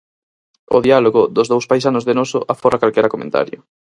O diálogo dos dous paisanos de noso aforra calquera comentario.